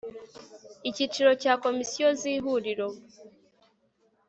Icyiciro cya Komisiyo z Ihuriro